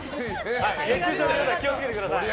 熱中症に皆さん気を付けてください。